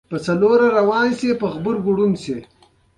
• ښه ملګری د زړه ملګری وي.